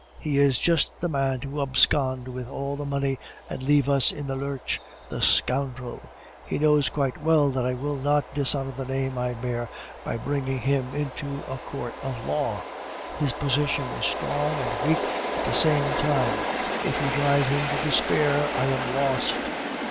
He is just the man to abscond with all the money and leave us in the lurch, the scoundrel! He knows quite well that I will not dishonor the name I bear by bringing him into a court of law. His position is strong and weak at the same time. If we drive him to despair, I am lost."